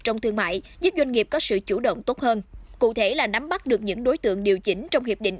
trong thương mại giúp doanh nghiệp có sự chủ động tốt hơn cụ thể là nắm bắt được những đối tượng điều chỉnh trong hiệp định